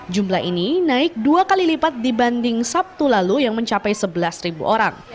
jumlah ini naik dua kali lipat dibanding sabtu lalu yang mencapai sebelas orang